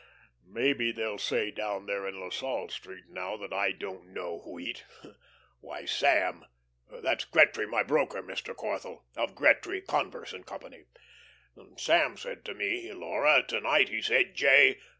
Maybe they'll say down there in La Salle Street now that I don't know wheat. Why, Sam that's Gretry my broker, Mr. Corthell, of Gretry, Converse & Co. Sam said to me Laura, to night, he said, 'J.